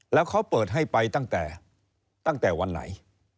แล้วเขาเปิดให้ไปตั้งแต่ตั้งแต่วันไหน